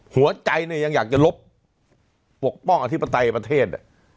หัวใจเนี่ยยังอยากจะลบปกป้องอธิปไตยประเทศ